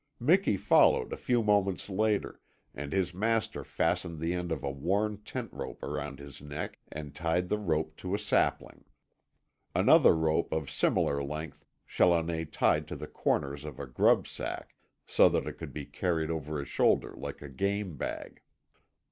Miki followed a few moments later, and his master fastened the end of a worn tent rope around his neck and tied the rope to a sapling. Another rope of similar length Challoner tied to the corners of a grub sack so that it could be carried over his shoulder like a game bag.